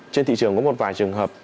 trên thị trường có một vài trường hợp